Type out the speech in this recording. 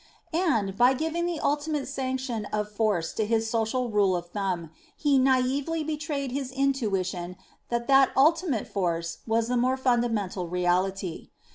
And, by giving the ultimate sanction of force to his social rule of thumb, he naively betrayed his intuition that that ultimate force was the more fundamental reality.